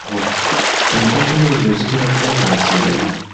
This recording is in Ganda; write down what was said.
Empapula ezo zitera kuba za kyenvu.